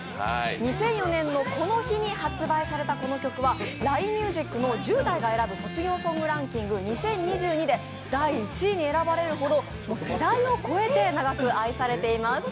２００４年のこの日に発売されたこの曲はＬＩＮＥＭＵＳＩＣの「１０代が選ぶ卒業ソングランキング２０２２」で１位に選ばれるほど世代を超えて愛されています。